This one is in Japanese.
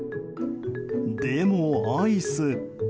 でも、アイス。